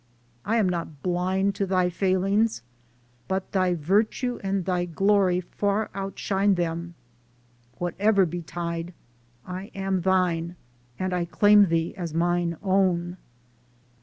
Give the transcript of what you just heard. I am not blind to Thy failings, but Thy virtue and Thy glory far outshine them. Whatever betide, I MY FINAL CHOICE 329 am Thine and I claim Thee as mine own.